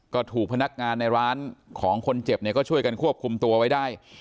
ก็ถูกพนักงานในร้านของคนเจ็บเนี่ยก็ช่วยกันควบคุมตัวไว้ได้